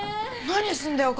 何すんだよ？